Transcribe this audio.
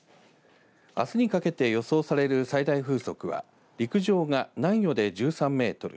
あすにかけて予想される最大風速は陸上が南予で１３メートル